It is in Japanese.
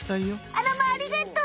あらまありがと！